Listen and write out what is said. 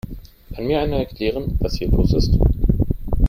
Kann mir einer erklären, was hier los ist?